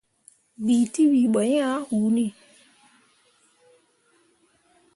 Bii tewii ɓo ah hunni.